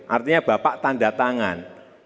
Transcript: artinya bapak tanda tangan